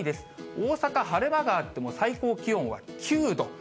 大阪、晴れ間があっても最高気温は９度。